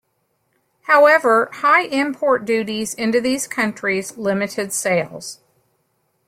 However, high import duties into these countries limited sales.